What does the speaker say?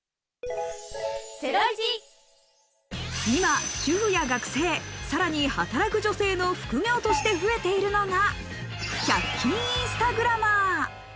今、主婦や学生、さらに働く女性の副業として増えているのが１００均インスタグラマー。